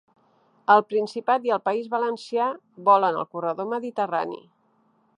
El Principat i el País valencià volen el corredor mediterrani